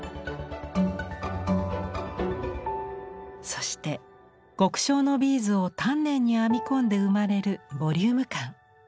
そして極小のビーズを丹念に編み込んで生まれるボリューム感。